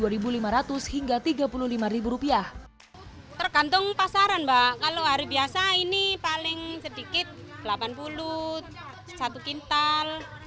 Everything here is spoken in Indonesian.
rp seribu lima ratus hingga tiga puluh lima tergantung pasaran mbak kalau hari biasa ini paling sedikit delapan puluh satu kental